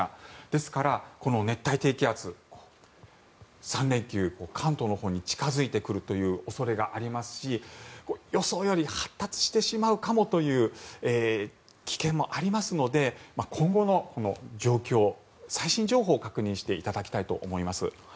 ですから、熱帯低気圧３連休、関東のほうに近付いてくるという恐れがありますし予想より発達してしまうかもという危険もありますので今後の状況、最新情報を確認していただきたいと思います。